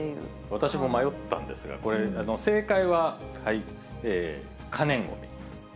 私も迷ったんですが、これ、正解は可燃ごみ。